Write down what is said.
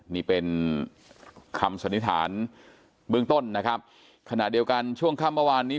นี่เป็นคำสนิทานเบื้องต้นนะครับขณะเดียวกันช่วงข้ามประวันนี้